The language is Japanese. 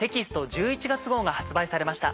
１１月号が発売されました。